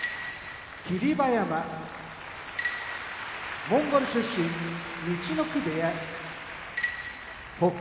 馬山モンゴル出身陸奥部屋北勝